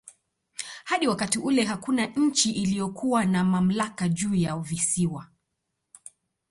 Hadi wakati ule hakuna nchi iliyokuwa na mamlaka juu ya visiwa.